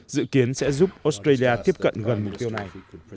dự kiến sẽ giúp australia tiếp cận gần mục tiêu này